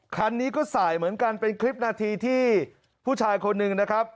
คันนี้ก็สายเหมือนกันเป็นคลิปนาทีที่ผู้ชายคนหนึ่งนะครับ